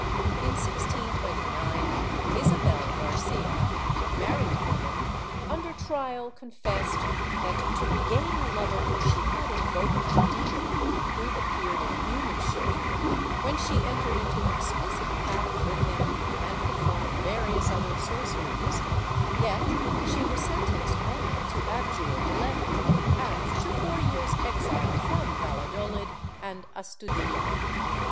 In 1629, Isabel Garcia, a married woman, under trial confessed that to regain a lover she had invoked the demon, who appeared in human shape, when she entered into explicit pact with him and performed various other sorceries, yet she was sentenced only to abjure de levi and to four years' exile from Valladolid and Astudilla.